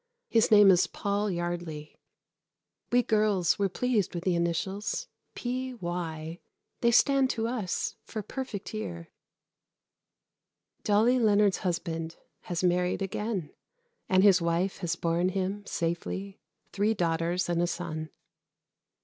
His name is Paul Yardley. We girls were pleased with the initials P.Y. They stand to us for "Perfect Year." Dolly Leonard's husband has married again, and his wife has borne him safely three daughters and a son.